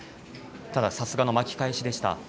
ただ、さすがの巻き返しでした。